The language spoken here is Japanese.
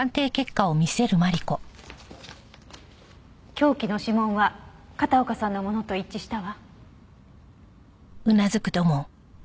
凶器の指紋は片岡さんのものと一致したわ。